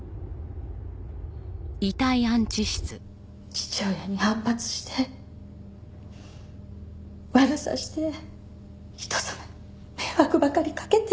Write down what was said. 父親に反発して悪さして人様に迷惑ばかりかけて！